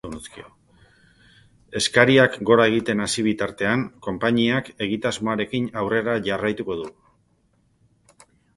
Eskariak gora egiten hasi bitartean, konpainiak egitasmoarekin aurrera jarraituko du.